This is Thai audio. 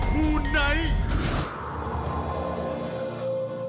มูไนท์